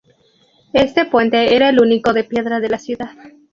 Este puente era el único de piedra de la ciudad.